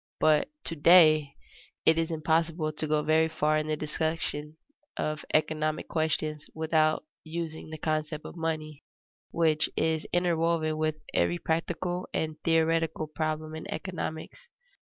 But to day it is impossible to go very far in the discussion of economic questions without using the concept of money, which is interwoven with every practical and theoretical problem in economics.